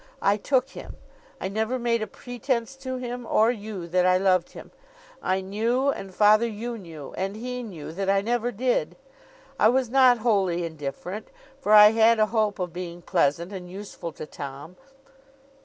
I took him. I never made a pretence to him or you that I loved him. I knew, and, father, you knew, and he knew, that I never did. I was not wholly indifferent, for I had a hope of being pleasant and useful to Tom.